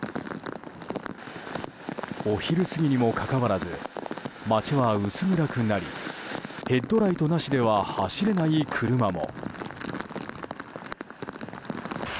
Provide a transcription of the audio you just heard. お昼過ぎにもかかわらず街は薄暗くなりヘッドライトなしでは走れない車も。